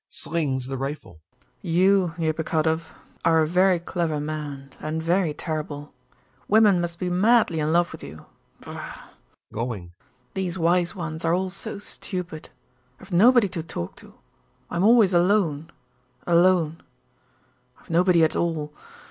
[Slings the rifle] You, Epikhodov, are a very clever man and very terrible; women must be madly in love with you. Brrr! [Going] These wise ones are all so stupid. I've nobody to talk to. I'm always alone, alone; I've nobody at all...